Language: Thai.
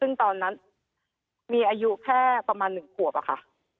ซึ่งตอนนั้นมีอายุแค่ประมาณ๑ขวบอะค่ะ